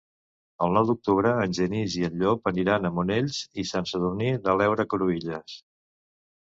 El nou d'octubre en Genís i en Llop aniran a Monells i Sant Sadurní de l'Heura Cruïlles.